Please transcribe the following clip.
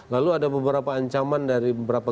lalu ada beberapa ancaman dari beberapa